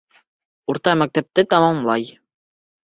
Урта мәктәпте тамамлай.